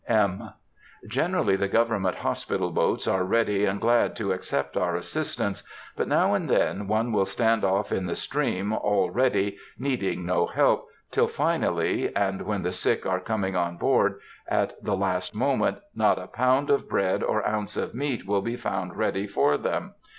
(M.) Generally the government hospital boats are ready and glad to accept our assistance, but now and then one will stand off in the stream "all ready," needing no help, till finally, and when the sick are coming on board, at the last moment, not a pound of bread or ounce of meat will be found ready for them.